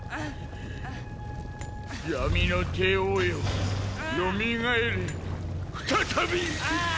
闇の帝王よよみがえれ再び！